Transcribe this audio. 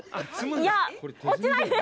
いや、落ちないです！